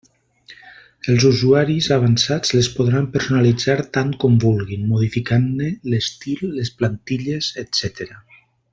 Els usuaris avançats les podran personalitzar tant com vulguin, modificant-ne l'estil, les plantilles, etc.